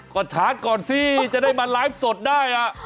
ก็ชาร์จก่อนสิจะได้มาไลฟ์สดได้